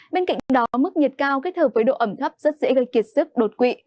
bên cạnh đó mức nhiệt cao kết hợp với độ ẩm thấp rất dễ gây kiệt sức đột quỵ